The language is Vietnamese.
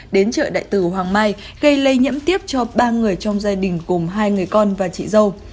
đến chợ đại tử hoàng mai gây lây nhiễm tiếp cho ba người trong gia đình cùng hai người con và chị dâu